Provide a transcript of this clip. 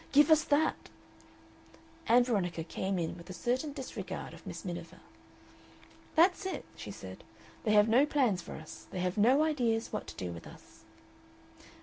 Give us that " Ann Veronica came in with a certain disregard of Miss Miniver. "That's it," she said. "They have no plans for us. They have no ideas what to do with us."